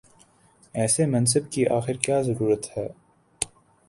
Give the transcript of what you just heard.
ایسے منصب کی آخر کیا ضرورت ہے؟